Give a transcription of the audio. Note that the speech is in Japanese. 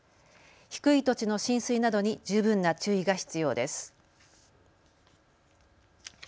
低い土地の浸水などに十分な注意が必要です。